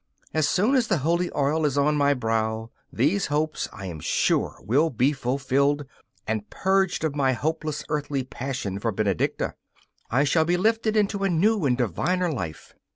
As soon as the holy oil is on my brow, these hopes, I am sure, will be fulfilled, and, purged of my hopeless earthly passion for Benedicta, I shall be lifted into a new and diviner life.